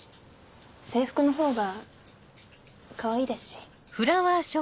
制服のほうがかわいいですし。